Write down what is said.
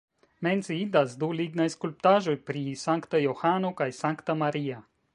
Menciindas du lignaj skulptaĵoj pri Sankta Johano kaj Sankta Maria.